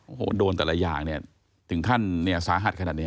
โอ้โหโดนแต่ละอย่างเนี่ยถึงขั้นเนี่ยสาหัสขนาดนี้